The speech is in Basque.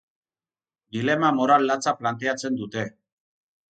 Dilema moral latza planteatzen dute.